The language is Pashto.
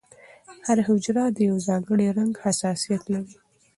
هره حجره د یو ځانګړي رنګ حساسیت لري.